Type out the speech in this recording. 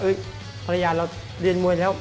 ภรรยาเราเรียนมวยแล้ว